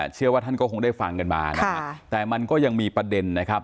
เชื่อว่าท่านก็คงได้ฟังกันมานะฮะแต่มันก็ยังมีประเด็นนะครับ